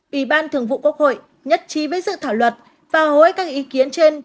ủy ban thường vụ quốc hội nhất trí với dự thảo luật và hầu hết các ý kiến trên